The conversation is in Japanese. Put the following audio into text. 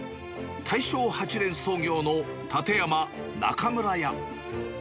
大正８年創業の館山中村屋。